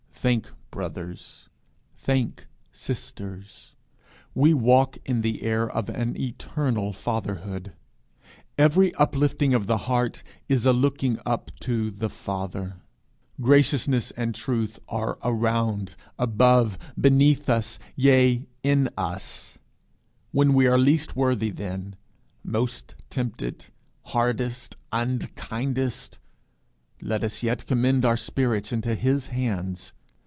Think, brothers, think, sisters, we walk in the air of an eternal fatherhood. Every uplifting of the heart is a looking up to The Father. Graciousness and truth are around, above, beneath us, yea, in us. When we are least worthy, then, most tempted, hardest, unkindest, let us yet commend our spirits into his hands.